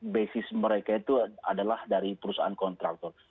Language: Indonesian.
basis mereka itu adalah dari perusahaan kontraktor